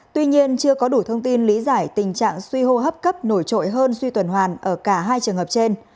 tuy nhiên chưa có đủ thông tin lý giải tình trạng suy hô hấp cấp nổi trội hơn suy tuần hoàn ở cả hai trường hợp trên